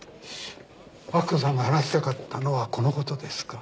明子さんが話したかったのはこのことですか？